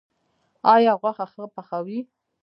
ایا غوښه ښه پخوئ؟